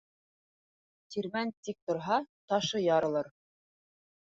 Тирмән тик торһа, ташы ярылыр.